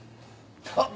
あっ！